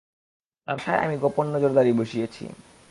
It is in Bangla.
তার বাসায় আমি গোপন নজরদারী বসিয়েছি।